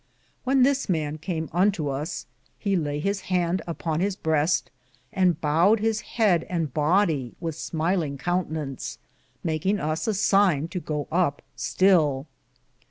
When this man came unto us he lay his hand upon his breste, and boued his head and bodye with smylinge coun tinance, makinge us a sine to go up still.